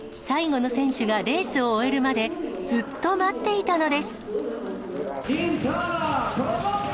最後の選手がレースを終えるまでずっと待っていたのです。